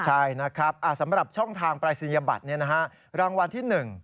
ใช่นะครับสำหรับช่องทางปรายศนียบัตรรางวัลที่๑